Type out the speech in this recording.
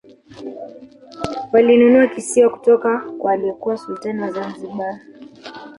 walinunua kisiwa kutoka kwa aliyekuwa sultani wa zanzibar